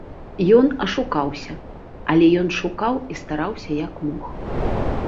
Ён ашукаўся, але ён шукаў і стараўся як мог.